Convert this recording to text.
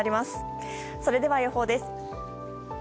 それでは予報です。